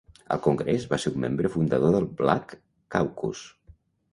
Al Congrés, va ser un membre fundador del Black Caucus.